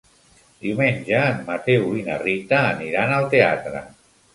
Diumenge en Mateu i na Rita aniran al teatre.